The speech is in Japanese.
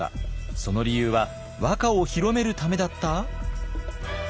その理由は和歌を広めるためだった？